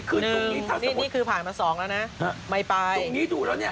ตรงนี้คือผ่านมาสองแล้วนะ